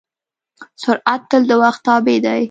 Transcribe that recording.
سرعت تل د وخت تابع دی.